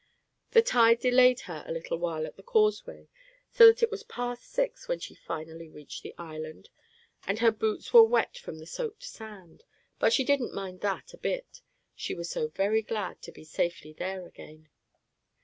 The tide delayed her a little while at the causeway, so that it was past six when she finally reached the island, and her boots were wet from the soaked sand; but she didn't mind that a bit, she was so very glad to be safely there again.